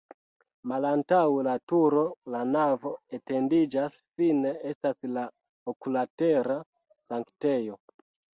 Malantaŭ la turo la navo etendiĝas, fine estas la oklatera sanktejo.